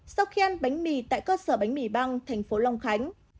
sau khi ăn bánh mì tại cơ sở bánh mì băng tp long khánh